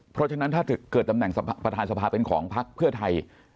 เพราะฉะนั้นถ้าเกิดตำแหน่งประธานสภาเป็นของพักเพื่อไทย